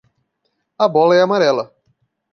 A bola é amarela.